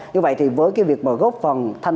như vậy thì với việc góp phần